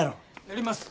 やります。